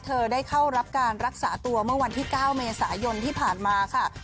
เธอได้เข้ารับการรักษาตัวเมื่อวันที่๙เมษายนที่ผ่านมาค่ะ